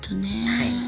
はい。